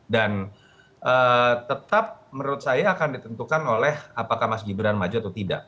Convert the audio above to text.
dan tetap menurut saya akan ditentukan oleh apakah mas gibran maju atau tidak